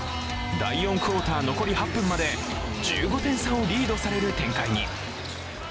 第４クオーター残り８分まで１５点差をリードされる展開に。